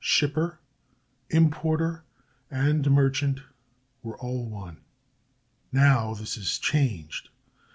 Shipper, importer, and merchant were all one. Now this is changed.